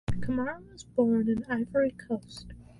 Kamara was born in Ivory Coast.